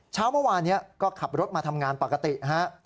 เช้าเมื่อวานนี้ก็ขับรถมาทำงานปกติฮะ